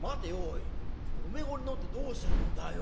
おめえが俺飲んでどうするんだよ？